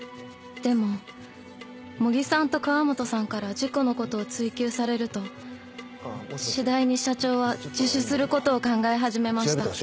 でも茂木さんと河元さんから事故の事を追及されると次第に社長は自首する事を考え始めました。